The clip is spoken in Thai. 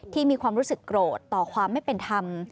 มีความรู้สึกโกรธต่อความไม่เป็นธรรม